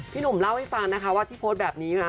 หนุ่มเล่าให้ฟังนะคะว่าที่โพสต์แบบนี้ค่ะ